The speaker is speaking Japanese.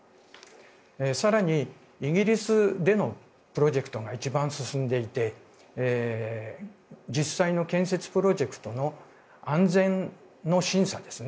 更にイギリスでのプロジェクトが一番進んでいて実際の建設プロジェクトの安全の審査ですね